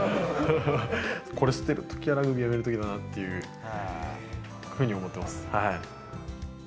これ捨てるときは、ラグビーやめるときだなっていうふうに思ってます。